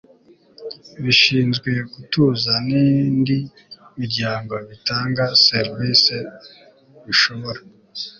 bishinzwe gutuza n indi miryango bitanga serivise bishobora